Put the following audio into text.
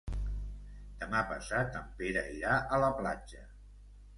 Demà passat en Pere irà a la platja.